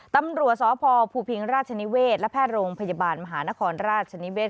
ตำรวจสพภูพิงราชนิเวศและแพทย์โรงพยาบาลมหานครราชนิเศษ